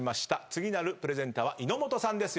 次なるプレゼンターは井本さんです。